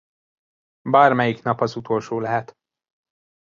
Bármelyik nap az utolsó lehet.